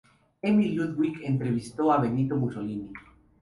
Emil Ludwig entrevistó a Benito Mussolini.